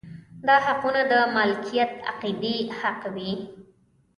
دا حقونه د مالکیت او عقیدې حق وي.